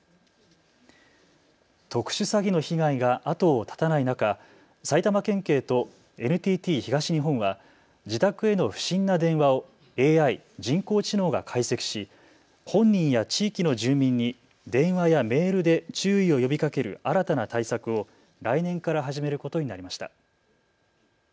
特殊詐欺の被害が後を絶たない中、埼玉県警とＮＴＴ東日本は自宅への不審な電話をＡＩ・人工知能が解析し本人や地域の住民に電話やメールで注意を呼びかける新たな対策を来年から始めることになりました。